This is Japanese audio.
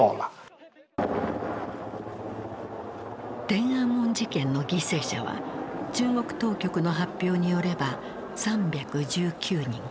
天安門事件の犠牲者は中国当局の発表によれば３１９人。